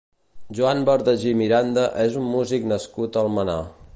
Joan Bardají Miranda és un músic nascut a Almenar.